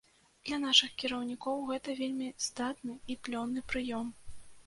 Для нашых кіраўнікоў гэта вельмі здатны і плённы прыём.